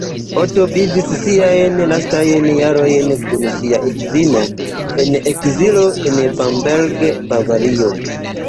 Otto vivis siajn lastajn jarojn kun sia edzino en ekzilo en Bamberg, Bavario.